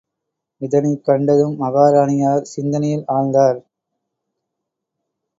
இதனைக் கண்டதும், மகாராணியார் சிந்தனையில் ஆழ்ந்தார்.